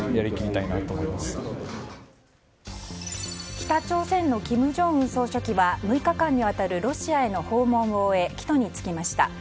北朝鮮の金正恩総書記は６日間にわたるロシアへの訪問を終え帰途に就きました。